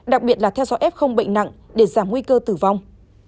đặc biệt là theo dõi f bệnh nặng để giảm nguy cơ tử vong